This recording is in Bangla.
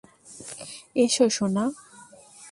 এসো, সোনা।